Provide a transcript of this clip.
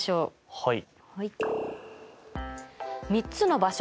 はい。